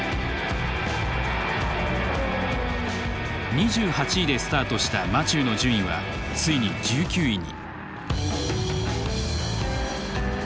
２８位でスタートしたマチューの順位はついに１９位に。